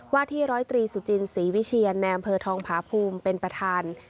ว่าที่๑๓๐สุจินศรีวิชียานแนมเพอร์ทองผาภูมิเป็นประธาน